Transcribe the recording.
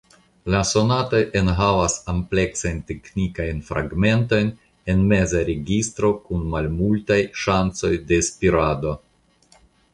La sonatoj enhavas ampleksajn teknikajn fragmentojn en meza registro kun malmultaj ŝancoj de spirado.